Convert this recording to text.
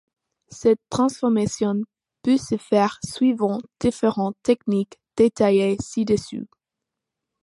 Cette transformation peut se faire suivant différentes techniques détaillées ci-dessous.